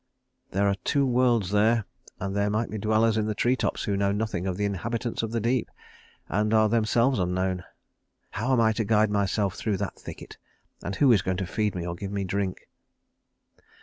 There are two worlds there, and there might be dwellers in the tree tops who know nothing of the inhabitants of the deep, and are themselves unknown. How am I to guide myself through that thicket, and who is going to feed me or give me drink?"